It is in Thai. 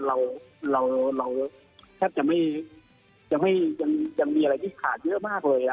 เราก็ถึงอะไรที่ก็ยังมีอะไรที่ขาดเยอะมากเลย